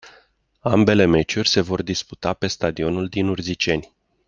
Ambele meciuri se vor disputa pe stadionul din Urziceni.